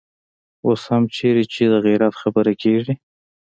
اوس هم چېرته چې د غيرت خبره کېږي.